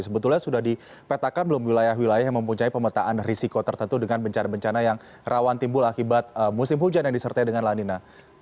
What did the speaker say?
sebetulnya sudah dipetakan belum wilayah wilayah yang mempunyai pemetaan risiko tertentu dengan bencana bencana yang rawan timbul akibat musim hujan yang disertai dengan lanina